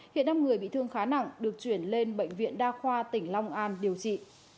hiện năm người bị thương khá nặng được chuyển lên bệnh viện đa khoa tỉnh long an điều trị